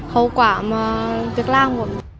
hậu quả mà được làm